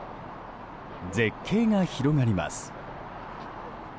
絶景が広がります。